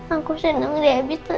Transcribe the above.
aku seneng dihabiskan